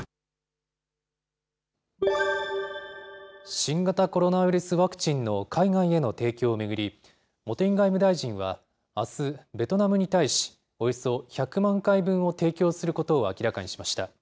新型コロナウイルスワクチンの海外への提供を巡り、茂木外務大臣はあす、ベトナムに対し、およそ１００万回分を提供することを明らかにしました。